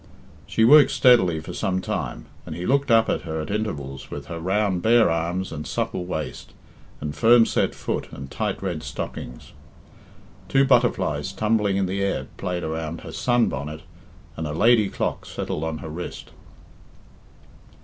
She worked steadily for some time, and he looked up at her at intervals with her round bare arms and supple waist and firm set foot and tight red stocking. Two butterflies tumbling in the air played around her sun bonnet and a lady clock settled on her wrist.